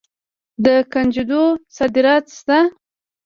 د کنجدو صادرات شته.